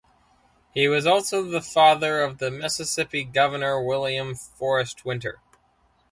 He was also the father of the Mississippi governor William Forrest Winter.